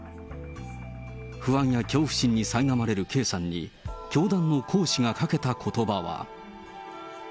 不安や恐怖心にさいなまれるＫさんに、教団の講師がかけたことばは。